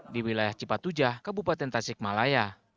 di wilayah cipatujah kabupaten tasikmalaya